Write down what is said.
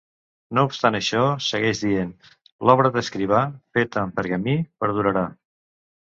No obstant això, segueix dient, l'obra de l'escriba, feta en pergamí, perdurarà.